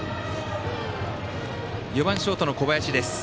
４番ショートの小林です。